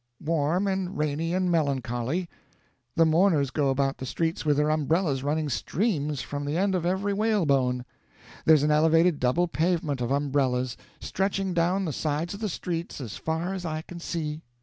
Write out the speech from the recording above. "Warm and rainy and melancholy. The mourners go about the streets with their umbrellas running streams from the end of every whalebone. There's an elevated double pavement of umbrellas, stretching down the sides of the streets as far as I can see.